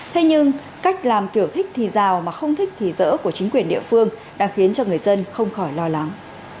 thế nhưng cách làm kiểu thích thì rào mà không thích thì dỡ của chính quyền địa phương đã khiến cho người dân không khỏi lo lắng